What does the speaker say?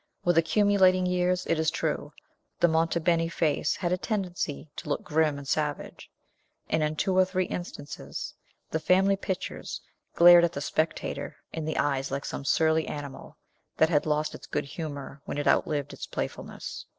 With accumulating years, it is true, the Monte Beni face had a tendency to look grim and savage; and, in two or three instances, the family pictures glared at the spectator in the eyes like some surly animal, that had lost its good humor when it outlived its playfulness.